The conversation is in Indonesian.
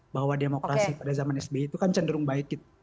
bahwa demokrasi pada zaman sby itu kan cenderung baik